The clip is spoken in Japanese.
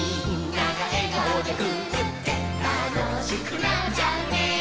「たのしくなっちゃうね」